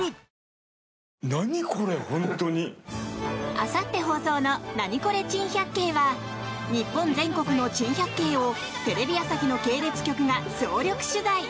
あさって放送の「ナニコレ珍百景」は日本全国の珍百景をテレビ朝日の系列局が総力取材。